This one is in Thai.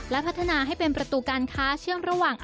และพัฒนาให้เป็นประตูการค้าเชื่อมระหว่าง